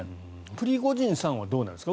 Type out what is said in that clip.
プリゴジンさんはどうなんですか？